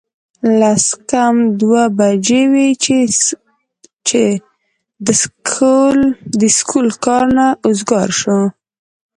لس کم دوه بجې وې چې د سکول کار نه اوزګار شو